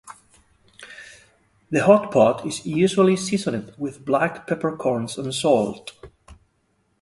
The hot pot is usually seasoned with black peppercorns and salt.